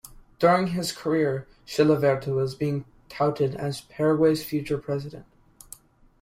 During his career, Chilavert was being touted as Paraguay's future president.